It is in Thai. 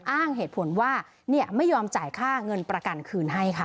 อ้างเหตุผลว่าไม่ยอมจ่ายค่าเงินประกันคืนให้ค่ะ